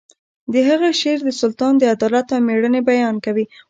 د هغه شعر د سلطان د عدالت او میړانې بیان کوي